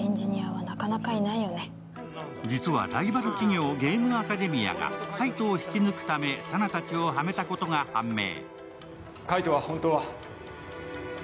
実はライバル企業、ゲームアカデミアが海斗を引き抜くために佐奈たちをはめたことが判明。